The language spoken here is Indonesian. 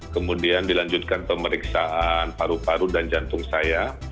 kemudian dilanjutkan pemeriksaan paru paru dan jantung saya